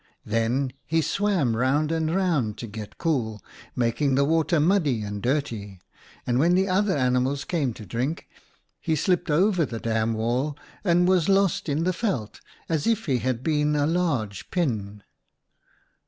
Then he swam round and round to get cool, making the water muddy and dirty, and when the other animals came to drink, he slipped over the dam wall and was lost in the veld as if he had been a large pin.